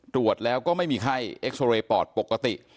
ตรวจแล้วก็ไม่มีไข้เอ็กซอเรย์ปอดปกติ